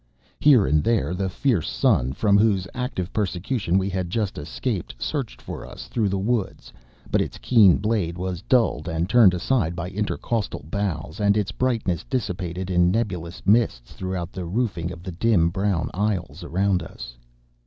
Here and there the fierce sun, from whose active persecution we had just escaped, searched for us through the woods, but its keen blade was dulled and turned aside by intercostal boughs, and its brightness dissipated in nebulous mists throughout the roofing of the dim, brown aisles around us.